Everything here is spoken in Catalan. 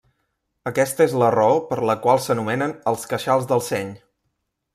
Aquesta és la raó per la qual s'anomenen els queixals del seny.